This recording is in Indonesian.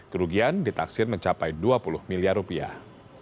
kerugian ditaksir mencapai dua puluh miliar rupiah